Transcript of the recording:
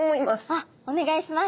あっお願いします。